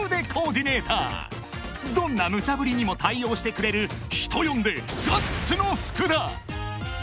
［どんなムチャぶりにも対応してくれる人呼んで］